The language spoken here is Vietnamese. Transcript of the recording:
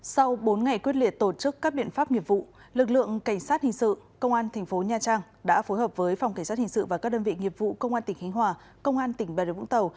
sau bốn ngày quyết liệt tổ chức các biện pháp nghiệp vụ lực lượng cảnh sát hình sự công an thành phố nha trang đã phối hợp với phòng cảnh sát hình sự và các đơn vị nghiệp vụ công an tỉnh hình hòa công an tỉnh bè đồng vũng tàu